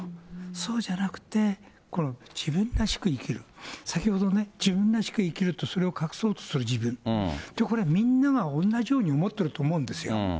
そうじゃなくて、自分らしく生きる、先ほどもね、自分らしく生きると、それを隠そうとする自分、これはみんなが同じように持ってると思うんですよ。